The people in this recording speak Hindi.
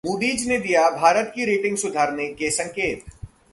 मूडीज ने दिए, भारत की रेटिंग सुधारने के संकेत